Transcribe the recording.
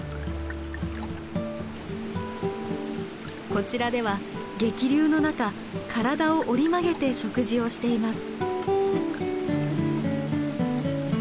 こちらでは激流の中体を折り曲げて食事をしています。